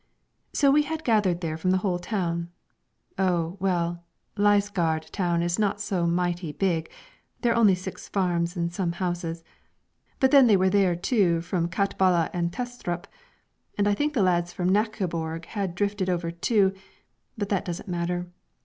So we had gathered there from the whole town, oh, well, Lysgaard town is not so mighty big: there are only six farms and some houses, but then they were there too from Katballe and Testrup, and I think the lads from Knakkeborg had drifted over too but that doesn't matter.